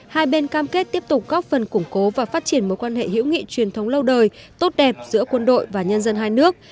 hai bên cam kết tiếp tục góp phần củng cố và phát triển mối quan hệ hữu nghị truyền thống lâu đời tốt đẹp giữa quân đội và nhân dân hai nước